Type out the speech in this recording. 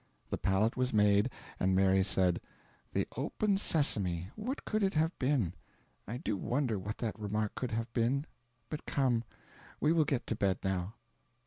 The pallet was made, and Mary said: "The open sesame what could it have been? I do wonder what that remark could have been. But come; we will get to bed now."